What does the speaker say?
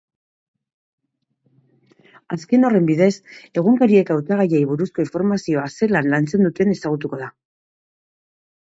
Azken horren bidez, egunkariek hautagaiei buruzko informazioa zelan lantzen duten ezagutuko da.